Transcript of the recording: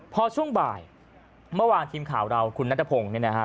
พอช่วงบ่ายเมื่อวานทีมข่าวเราคุณรัฐพงศ์นะคะ